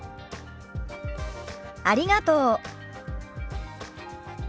ありがとう。